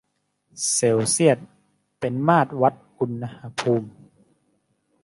เซลเซียสเป็นมาตรวัดอุณหภูมิ